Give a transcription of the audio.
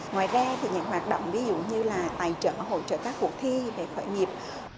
ngoài ra thì những hoạt động ví dụ như là tài trợ và hỗ trợ các cuộc thi về khởi nghiệp